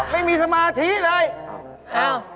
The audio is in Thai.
ไม่มีสมาธิเลย